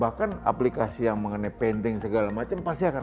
bahkan aplikasi yang mengenai pending segala macam pasti akan